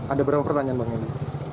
ada berapa pertanyaan bang eli